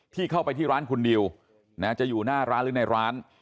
ที่เข้าไปที่ร้านคุณดิวจะอยู่หน้าร้านหรือในร้าน